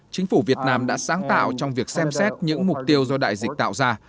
chính phủ việt nam đã sáng tạo trong việc xem xét những mục tiêu do đại dịch tạo ra